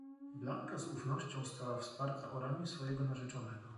"Blanka z ufnością stała wsparta o ramię swojego narzeczonego."